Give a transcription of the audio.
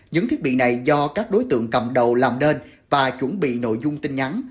những thiết bị này do các đối tượng cầm đầu làm nên và chuẩn bị nội dung tin nhắn